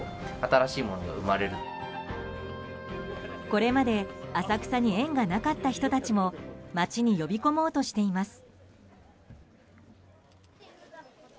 これまで浅草に縁がなかった人たちも街に呼び込もうとしています。